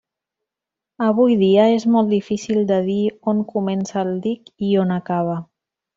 Avui dia és molt difícil de dir on comença el dic i on acaba.